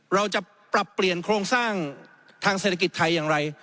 เราจะปรับเปลี่ยนโครงสร้างทางเศรษฐกิจไทยอย่างไร